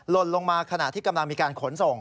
ลนลงมาขณะที่กำลังมีการขนส่ง